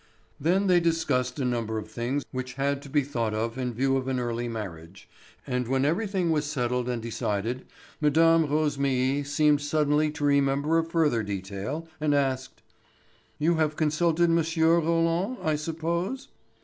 Then they discussed a number of things which had to be thought of in view of an early marriage, and when everything was settled and decided Mme. Rosémilly seemed suddenly to remember a further detail and asked: "You have consulted M. Roland, I suppose?"